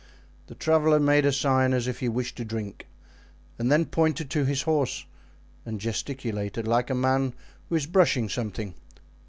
The traveler made a sign as if he wished to drink, and then pointed to his horse and gesticulated like a man who is brushing something.